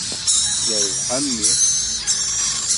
Yirbeḥ a mmi.